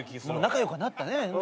仲良くなったね。